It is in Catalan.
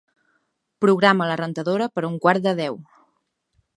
Programa la rentadora per a un quart de deu.